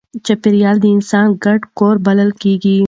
چاپېریال د انسان ګډ کور بلل کېږي.